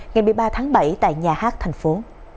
ngày một mươi ba tháng bảy tại nhà hát thành phố